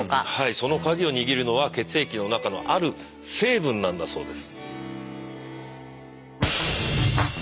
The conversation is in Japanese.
その鍵を握るのは血液の中のある成分なんだそうです。